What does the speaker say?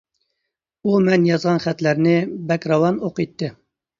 ئۇ مەن يازغان خەتلەرنى بەك راۋان ئوقۇيتتى.